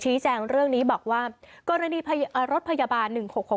แจ้งเรื่องนี้บอกว่ากรณีรถพยาบาล๑๖๖